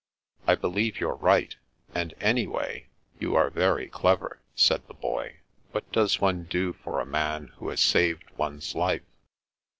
" I believe you're right, and anyway, you are very clever," said the Boy. " What does one do for a man who has saved one's life